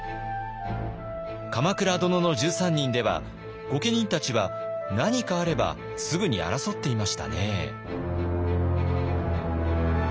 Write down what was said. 「鎌倉殿の１３人」では御家人たちは何かあればすぐに争っていましたね。